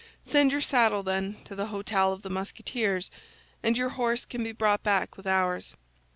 "Send your saddle, then, to the hôtel of the Musketeers, and your horse can be brought back with ours."